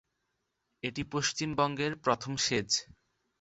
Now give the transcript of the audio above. এটি পশ্চিমবঙ্গের প্রথম সেজ।